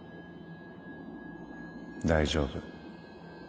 大丈夫。